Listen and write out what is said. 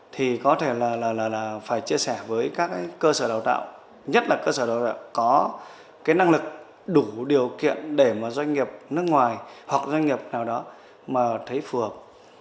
nhất là cơ sở đào tạo có cái năng lực đủ điều kiện để mà doanh nghiệp nước ngoài hoặc doanh nghiệp nào đó mà thấy phù hợp